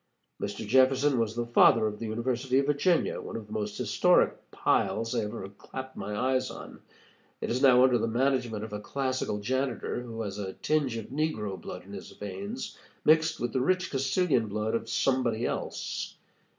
Mr. Jefferson was the father of the University of Virginia, one of the most historic piles I have ever clapped eyes on. It is now under the management of a classical janitor, who has a tinge of negro blood in his veins, mixed with the rich Castilian blood of somebody else.